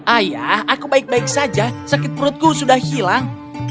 ayah aku baik baik saja sakit perutku sudah hilang